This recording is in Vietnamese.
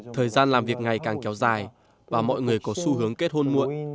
thời gian làm việc ngày càng kéo dài và mọi người có xu hướng kết hôn muộn